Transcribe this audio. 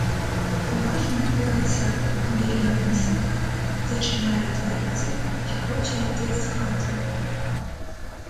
Поважно порається біля мисника, зачиняє дверці й хоче йти з хати.